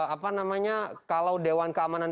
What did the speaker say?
apa namanya kalau dewan keamanan